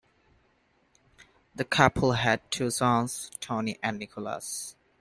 The couple had two sons, Tony and Nicholas.